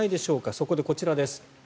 そこでこちらです。